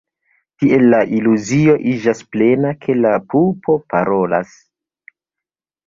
Tiel la iluzio iĝas plena, ke la pupo parolas.